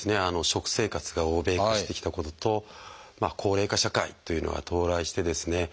食生活が欧米化してきたことと高齢化社会っていうのが到来してですね